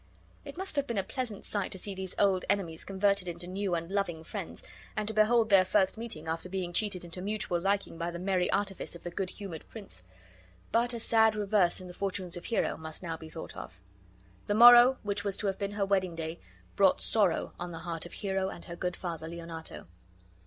It must have been a pleasant sight to see these old enemies converted into new and loving friends, and to behold their first meeting after being cheated into mutual liking by the merry artifice of the good humored prince. But a sad reverse in the fortunes of Hero must now be thought of. The morrow, which was to have been her wedding day, brought sorrow on the heart of Hero and her good father, Leonato.